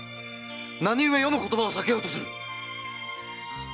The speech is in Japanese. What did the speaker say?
何故余の言葉を避けようとする⁉